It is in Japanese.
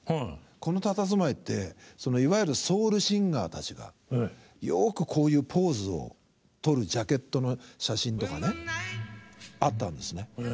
このたたずまいっていわゆるソウルシンガーたちがよくこういうポーズをとるジャケットの写真とかねあったんですね。